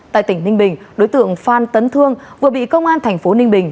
tại tỉnh ninh bình đối tượng phan tấn thương vừa bị công an thành phố ninh bình